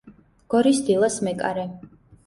გორის „დილას“ მეკარე.